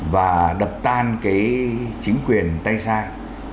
và đập tan cái chính quyền tay sai